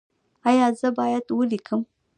ایا زه باید ولیکم؟